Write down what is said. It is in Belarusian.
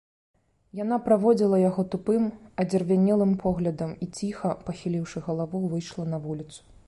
Яна праводзіла яго тупым адзервянелым поглядам і ціха, пахіліўшы галаву, выйшла на вуліцу.